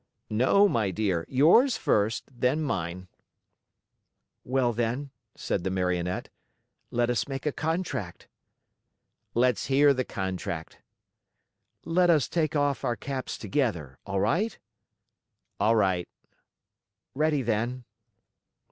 "No, my dear! Yours first, then mine." "Well, then," said the Marionette, "let us make a contract." "Let's hear the contract!" "Let us take off our caps together. All right?" "All right." "Ready then!"